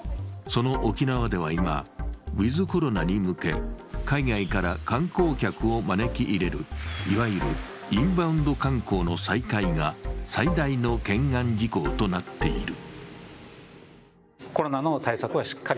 その沖縄では今、ウィズ・コロナに向け海外から観光客を招き入れるいわゆるインバウンド観光の再開が最大の懸案事項となっている。